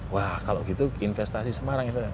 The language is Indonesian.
wah kalau gitu investasi semarang itu